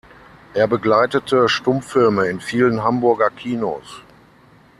Er begleitete Stummfilme in vielen Hamburger Kinos.